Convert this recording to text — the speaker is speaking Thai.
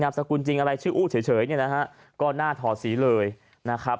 สกุลจริงอะไรชื่ออู้เฉยเนี่ยนะฮะก็หน้าถอดสีเลยนะครับ